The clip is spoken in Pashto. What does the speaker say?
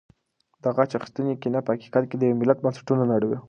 د غچ اخیستنې کینه په حقیقت کې د یو ملت بنسټونه نړوي.